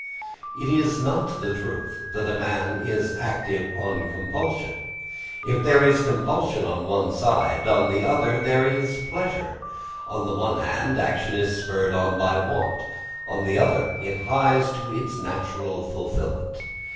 It is not the truth that man is active on compulsion. If there is compulsion on one side, on the other there is pleasure; on the one hand action is spurred on by want, on the other it hies to its natural fulfilment.